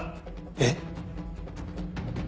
えっ？